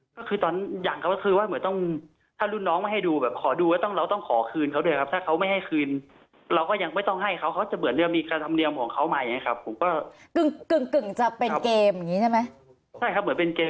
ก็คือตอนนั้นอย่างครับก็คือว่าเหมือนต้องถ้ารุ่นน้องไม่ให้ดูแบบขอดูแล้วเราต้องขอคืนเขาด้วยครับถ้าเขาไม่ให้คืนเราก็ยังไม่ต้องให้เขาเขาจะเหมือนเรื่องมีการทำเนียมของเขามาอย่างเงี้ยครับผมก็